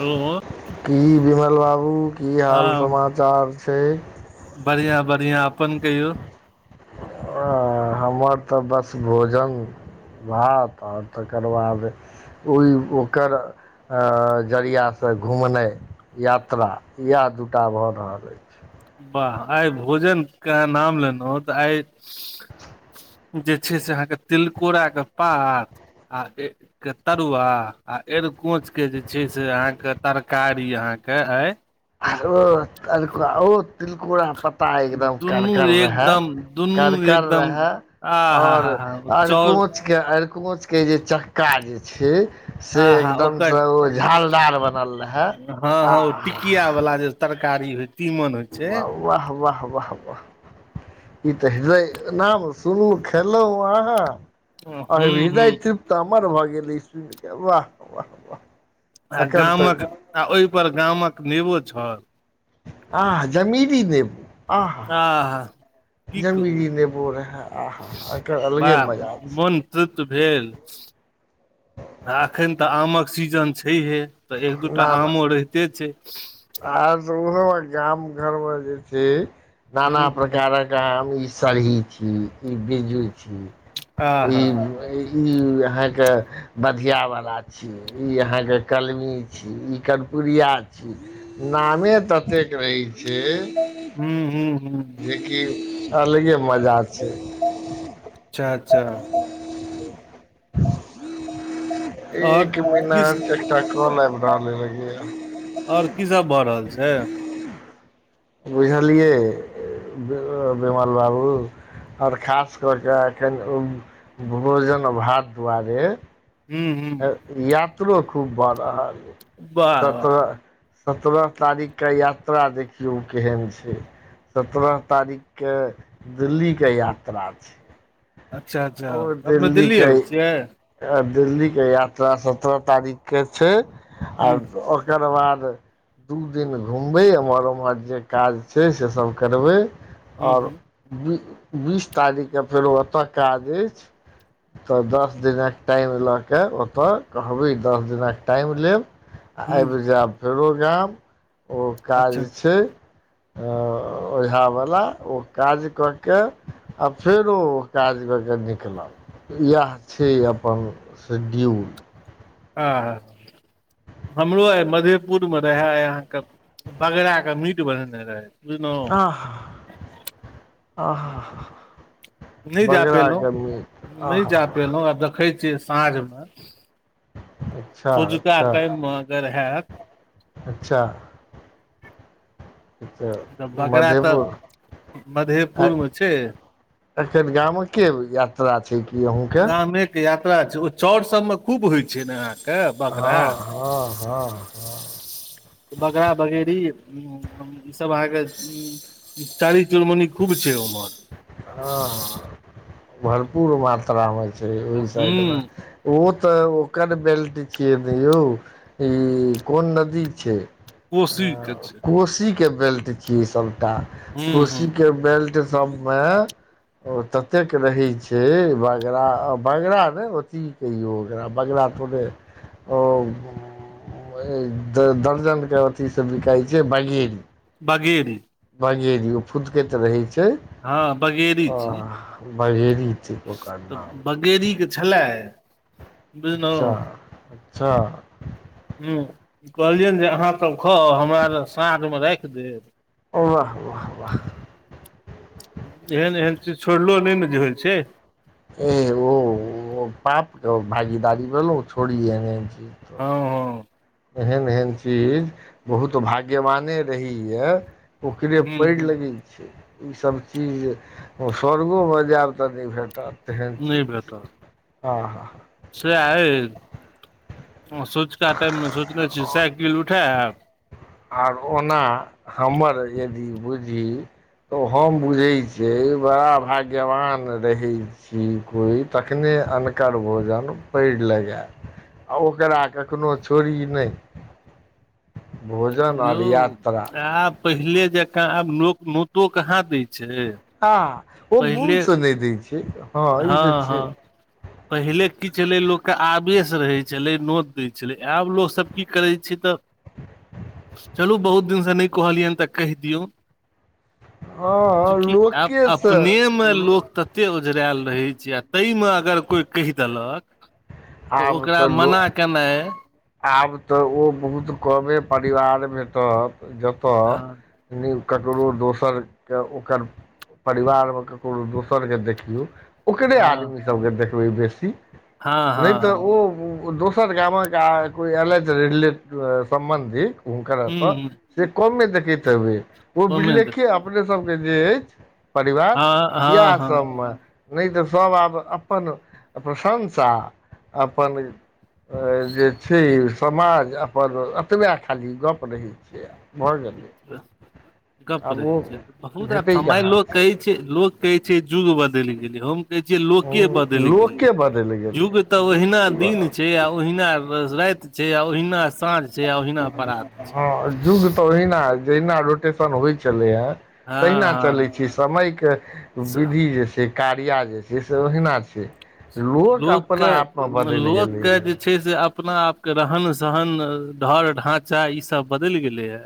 Hello की विमल बाबू की हाल समाचार छै बढ़ियाँ बढ़ियाँ अपन कहियौ हँ हमर तऽ बस भोजन भात आ तकर बाद ओहि ओकर जरिया से घुमनाइ यात्रा इएह दूटा भऽ रहल अछि वाह आइ भोजनके नाम लेलौं तऽ आइ जे छै से अहाँके तिलकोराके पात आ ऐ के तरुआ आ एरकोंच के जे छै से अहाँ के तरकारी अहाँ के आय ओ ओ तिलकोरा पत्ता एकदम दुनू करकर रहै एकदम दुनू करकर एकदम रहै आ हा आओर हा हा चाउर अरिकोंच के अरिकोंच के जे चक्का जे छै आ से हा एकदम ओकर स ओ झालदार बनल रेहै आ हाहा [unintelligible] वला जे तरकारी होइत वाह वाह वाह वाह वाह ई तऽ हृदय नाम सुनू खेलौं आहाँ हूँ आ हूँ हृदय तृप्त हमर भऽ गेल ई सुइन के वाह वाह वाह आ एकर तऽ गामक आ ओहिपर गामक नेबो छल आह जमीरी नेबो आहा आह की कहू जमीरी नेबो रहै आहा एकर अलगे बड़ा मजा छै मोन तृप्त भेल आ एखन तऽ आमक सीजन छैहे। एक दूटा आमो रहिते छै आ सुनलौं गाम घरमे जे छै ना ना हूँ हूँ प्रकारक आम ई सरही छियै ई बिरजू छियै। आह ई अहाॅं के बधिया वाला छी ई अहाँके कलमी छी ई कर्पुरिया छी नामे ततेक रहै छै हूँ हूँ हूँ जे कि अलगे मजा छै चाचा। आओर एक की मिनट एकटा कॉल आइब रहल ए और की सब भऽ रहल छै। बुझलिये बीमल बाबू और खास कोके एखन ओ भोजन भात दुआरे ह्म्म ह्म्म [unintelligible] यात्रो खूब भऽ रहल वाह सत्रह सत्रह तारीख के यात्रा देखियौ केहन छै। सत्रह तारीख के दिल्ली के यात्रा छै अच्छा अच्छा अपने दिल्ली आबए छिये दिल्ली के यात्रा सत्रह तारीख के छै हूँ आर ओक ओकर बाद। दू दिन घुमबै एम्हर उम्हर जे काज छै से सब करबए हूँ और हूँ बी बीस तारीखकेँ फेर ओत काज अछि तऽ दस दिनक टाइम लग ओतऽ कहबै दस दिनक टाइम लेब आ हूँ आइब जेब [inaudible] फेरो गाम ओ काज अच्छा छय ओझावला ओ काज क कके आ फेरो ओ काज कऽके निकलब येह छय अपन सेदियुल। आहा हमरो आय मधेपुर मे रहै ए अहाँके बकरा के मीट बनेने रहै बुझलहुँ आह आह नहि जा पयलहुँ बगराके मीट नहि आह जा पयलहुँ आब देखै छियै साँझमे अच्छा सोंझका अच्छा टाइम मे अगर हैत अच्छा तऽ बगड़ा तऽ मधेपुर आय मधेपुरमे छै एखन गामक के यात्रा छै कि अहूँके गामेके यात्रा छै ओ चाउर सभमे खूब होइ छै ने अहाँके हँ बगरा। हँ हँ हँ बगरा बगेरी ईसभ अहाँके चालीस चुनमुनी खूब छै उम्हर हँ भरपूर मात्रामे छै ओहि साइड मे ह्म ओ तऽ ओकर बेल्ट छिये ने यौ ई कोन नदी छै कोशी के छै कोशी के बेल्ट छियै सभटा ह्म ह्म कोशी के बेल्ट सबमेय ओ ततेक रहै छै बगरा आ बगरा ने ओ करा बगरा थोडे ओ दर्जनक के अथी से बिकाइ छै बगेरी बगेरी। बगेरी ओ फुदके तऽ रहै छै हँ बगेरी आ छी बगेरी बगेरीके छलै बुझलहुँ अच्छा अच्छा हूँ कहलियनि जे अहाँसभ खाउ हमरा साँझमे राख देब। वाह वाह वाह एहन एहन चीज छोड़लो नहि ने जे होइ छै [unintelligible] ओ पाप भागी दाड़ी भेलौ छोड़ी ऐहन ऐहन चीज हँ हँ एहन एहन चीज बहुत भाग्यवाने रहीय ओ करे हूँ पैड़ हूँ लगी ईसभ चीज स्वर्गो में जायब तऽ नै भेटत जेहन चीज छै [inaudible] आ हँ हँ सेह अइ [inaudible] सँझुका टाइम में सोचने छी साइकिल उठायब आर ओना हमर यदि बुझी तऽ हम बुझैत छियै बड़ा भाग्यवान रहै छी कोइ तखने अन्नकर भोजन पैड़ लगै आ ओकरा कखनो छोड़ही नै यौ यात्रा आब पहिले जेका आब लोक नोतो कहाँ दै छै। हँ ओ मून स नै दै छै। हँ ई तऽ हऽ छै हऽ पहिले की छलै लोक केँ आवेश रहै छलै नोत दै छलै आब लोकसभ की करैत छै तऽ [inaudible] चलू बहुत दिनसँ नै कहलियन तऽ कहि दियौ। हँ [inaudible] चूकि लोकेसँ अपने में लोक त ओतेक ओझरायल रहै छै आ तैम में अगर कोइ कहि देलक तऽ आब ओकरा मना लोक केनाइ आब तऽ ओ बहुत कमे परिवार में तऽ हँ जतय नौ ककरो दोसर केँ ओकर परिवार में ककरो दोसर केँ देखियौ ओकरे हँ आदमी सबके देखबै बेसी हँ नै हँ तऽ हँ ओ दोस दुसर गामक आय कोई ऐलैथ [unintelligible] सम्बन्धी हुनक एतऽ हुँ हुँ से कमे देखैत हेबै ओ ओहिमे तऽ बिललेख अपने सबके जे अछि परिवार हँ [inaudible] हँ या सब हँ म नै तऽ सभ आब अपन प्रशंसा अपन जे छै समाज अपन एतबे खाली गप्प रहैत छै। भऽ गेलै [unintelligible] गप आब रहै ओ छै बहुत आ भेटै समय कहाँ लोक कहै छै लोक कहै छै युग बदैल गेलै हम कहै छियै लोक बदैल गेलै। लोके बदलि गेलै युग तऽ युग ओहिना की दिन बदललै छै आ ओहिना राइत छै आ ओहिना साँझ से ओहिना परात छै। हँ युग तऽ ओहिना जहिना एडोटेशन होइ छलै ह हँ तहिना चलै हँ छी समय केँ विधि यऽ से- कार्य जे छै से ओहिना छै लोक लोकके अपना आप मे बदैल गेलै लोकके है जे से अपना आप केँ रहन सहन ढर ढांचा ई सब बदैल गेले ये।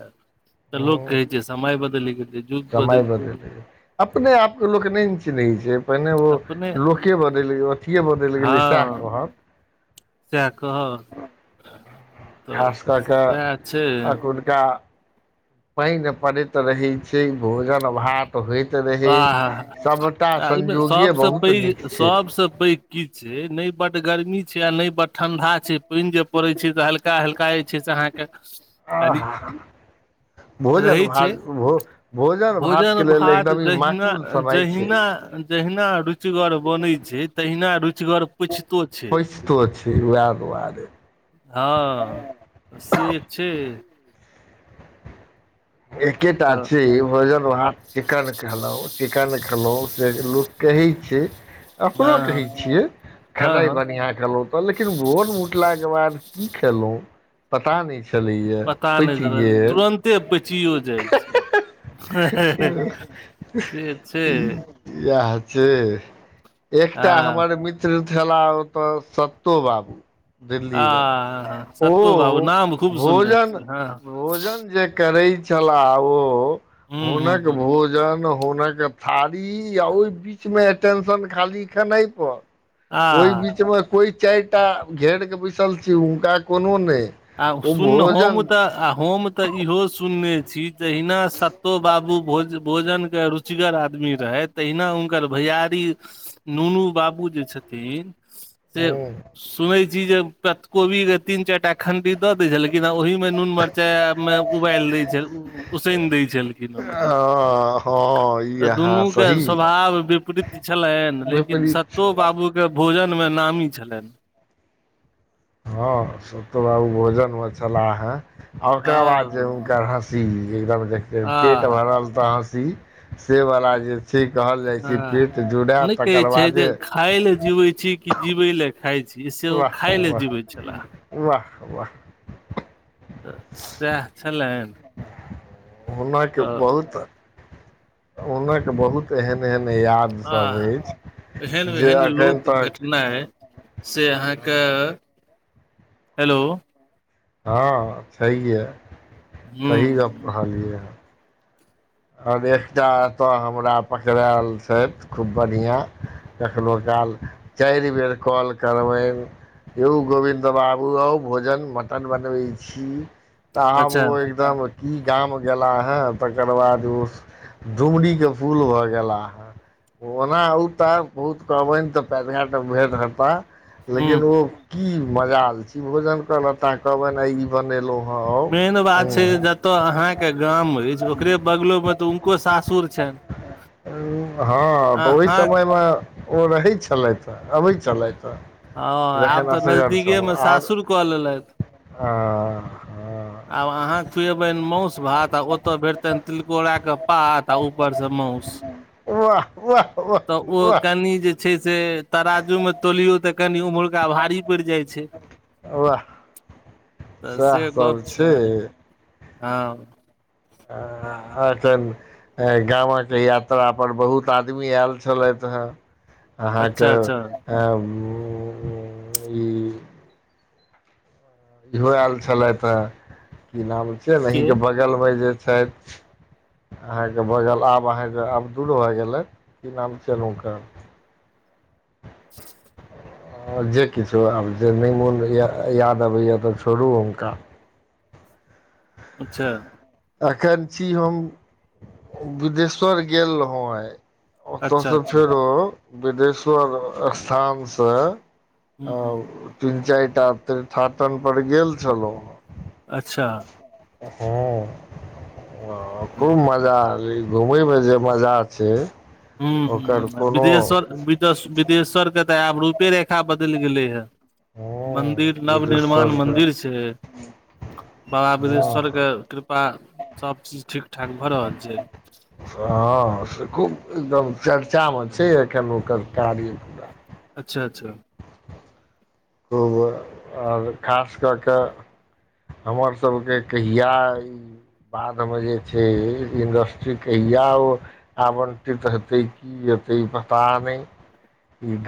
तऽ लोक हँ कहै छै समय बदैल गेलय जुग समय बदैल गेल बदलि गेलै अपने आप कऽ लोक नै न चिन्ह छै पहिने अपने ओ लोके बदैल गेलै अथे बदैल गेलै सेह कहत सेह कह तऽ सेह छै [unintelligible] पाइन पड़ैत रहै छै भोजन भात होइत रहै आह सभटा आ एहिमे संयोगे सबसँ बहुत नीक पइग छै सबसँ पइग की छै नै बड गर्मी छै आ नै बड ठंडा छै पइन जे पड़ैत छै तऽ हल्का हल्का जे छै से अहाँ कऽ [unintelligible] भोजन रहै भात छै भो भोजन भात केँ लेल एकदम इ जहिना जहिना जहिना रुचिगर बनैत छै तहिना रुचिगर पुछतो छैय। पइचतो छैय वैह दुआरे। हँ तऽ से छैय। एकेटा तऽ छैय भोजन भात चिकन खेलव। चिकन खेलहुँं से लोक कहइ छैय। अपनो हँ कहै हँ छियै हँ खेनाइ हँ बढ़िआँ खेलऊ तऽ लेकिन भोर म कुटलाक के बाद की खेलऊ पता नहि छलैया पइच गेल। कते पइचियो जाइ छैय से छैय। याह छैय एकटा हँ हमर मित त छेलाह ओतऽ सत्तो बाबू। दिल्लीमे आ सत्तो बाबू ओ नाम खूब सुनने भोजन छी हँ भोजन जे करै छलाह ओ हूँ हूँ हुनक हूँ भोजन हुनक खादि अ ओइय बीच मे एटेंशन खाली खेनाइ प। ओय आह बीचमे कोइ चाईटा घेरके बैसल छे हुनका कोनो नहि। आ ओ सुन हम भोजन तऽ आ हम तऽ इहो सुनने छी जहिना सत्तो बाबू भोज भोजनके रुचिगर आदमी रहैत तहिना हुनकर भैयरी नूनू बाबू जे छथिन से ह सुनै छी जे तत कोबीके तीन चारि टा खंती द दै छलकिन ओहि मे नून मिरचाई उबाल दै छ उसइन दै छलखिन ओकरा। हँ ई तऽ अहाँ दुनूके सही स्वाभ विपरीत छलनि लेकिन विपरीत सत्तो छल बाबू के भोजन मे नामी छलनि। हँ सत्तो बाबू भोजन मे छलाह। आ ओकरा बाद जे हँ हुनकर हँसी एकदम देख के पेट आह भरल त हँसी से बला जे छैय कहल जाइ छैय पेट जुड़ै तकर बादे खाइ लए जिवै छी कि जिवै लए खाइ छी से ओ वाह खाय लए वाह जिवैत छलाह। वाह वाह। तऽ सैह छलनि। हनक तऽ बहुत हुनक बहुत एहन एहन याद सब आह अछि एहन जे वेहन एखन लोक तक भेटनाइ से अहाँक हेलो। हँ छैहे सही गप हूँ कहलियै हँ। और एकटा एतह हमरा पकड़ायल छथि खूब बढ़िआँ। कखनहु काल चाइर बेर कॉल करबनि यौऊ गोविन्द बाबू आऊ भोजन मटन बनबै छी। तऽ आब अच्छा ओ एकदम की गाम गेला ह तकर बाद दोस्त दुमडी के फूल भऽ गेला ह। ओना अऊता बहुत कहबनि तऽ पैट घाट भेट हता। हूँ लेकिन ओ की मजाल छी भोजन क लेता कहबनि बनैलहु ह आव उहु। त अहाँके गाम अछि ओकरे बगलोमे तऽ हुनको सासुर छनि। हँ तऽ ओई अहाँ समयमे ओ रहैत छलथि अबैत छलथि ह। हँ आब तऽ नजदीकेमे सासुर कऽ लेलथि। आब अहाँ खुएबनि मासु भात आ ओतय भेटतनि तिलकोराके पथा ऊपर से मउस वाह वाह वाह तऽ आ वाह कनि जे छै से तराजो मे तोलियो तऽ कनि उमहुरका भारी। जाई छै वाह तऽ से गप छै। ह आ तऽ गाम के यात्रा पर बहुत आदमी आयल छलथि ह अच्छा अच्छा अहाँकेँ इहो आयल छलथि ह कि नाम छिय के नेहीके बगलमे जे छथि। अहाँकेँ बगल आब अहाँकेँ आब दूर भए गेलथि की नाम चलू क। ज किछो आब जे नहि मूल्य याद अबैए तऽ छोड़ू हुनका। अच्छा अखन छी हम बिदेश्वर गेल रहौ आइ। अच्छा ओतयसँ अच्छा फेरो बिदेश्वर स्थान सँ हूँ आ हूँ तीन चारिटा थकर पर गेलेल छल। अच्छा ह खूब मजा। घुमयमे जे मजा छै ह ओकर ह कोनो बिदेश्वर बिदेश्वरके तऽ आब रूपे रेखा बदलि गेलै हे। हँ मंन्दिर नव निर्माण बिदेश्वरके मन्दिर छै बाबा बिदेश्वर हँ के कृपा सभ चीज ठीक ठाक भ रहल छै। ह से खूब एकदम चर्चामे छै एखन ओकर कार्य। पूरा अच्छा अच्छा खूब ओर खास कऽ कऽ। हमर सभके कहिया। बाद मे जे छै इंडस्ट्री कहिया ओ आबंटित ह तै कीयतै पता नहि।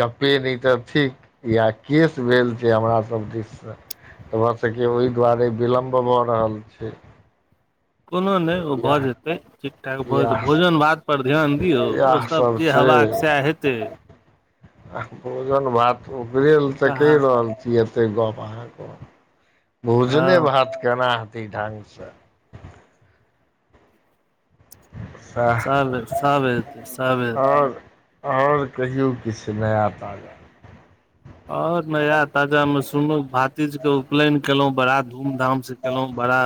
गप्पे नहि तऽ थिक या केश भेल छै हमरा सभ दिशसँ। तऽ हमरा सभके ओहि दुआरे विलम्ब भऽ रहल छै। कोनो नहि ओ भऽ इएह जेतै ठीक ठाक भऽ जेतै इएह भोजन भात। पर ध्यान दियौ इएह ओसभ सब जे छै हेबाकऽ सह हेतै। आ भोजन भात उपर तऽ कहा कहि रहल छी। क एते गप अहाँकेँ भोजने हँ भात केना हेती ढंग से। सएह सभ सभतै सबेतै। ओर कहियौ किछु नया ताजा। ओर नया ताजा मशरूम भातीज के उपनयन केलहुँं बराात। धूम धाम से केलहुँ बड़ा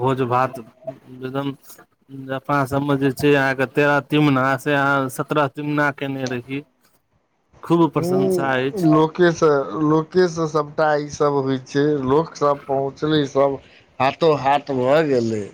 भोज भातद मे अपना सभमे जे छै अहाँकेँ तेरह तिमना से अहाँ सत्रह तिमना केने रहहिय। खूब प्रशंसा अछि लोक से लोकके से सभटा ईसभ होई छै लोकसभ पहुँचलै सभ। हाथो हाथ भऽ गेलै